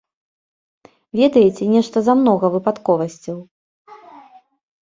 Ведаеце, нешта замнога выпадковасцяў.